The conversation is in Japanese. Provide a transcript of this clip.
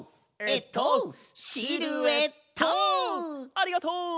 ありがとう！